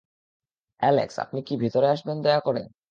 Alex, আপনি কি ভিতরে আসবেন, দয়া করে?